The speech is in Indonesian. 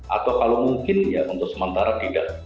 atau kalau mungkin ya untuk sementara tidak